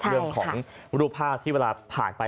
เรื่องของรูปภาพที่เวลาผ่านไป